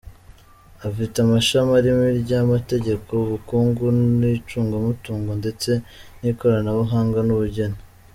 Ifite amashami arimo iry’amategeko, ubukungu n’icungamutungo ndetse n’ikoranabuhanga n’ubugeni.